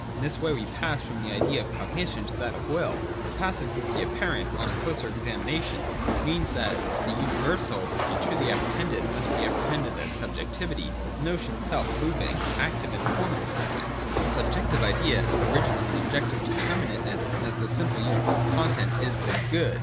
In this way we pass from the idea of cognition to that of will. The passage, as will be apparent on a closer examination, means that the universal, to be truly apprehended, must be appre hended as subjectivity, as a notion self moving, active, and form imposing. (^) Volition. 233.] The subjective idea as original and objective determinateness, and as a simple uniform content, is the Good.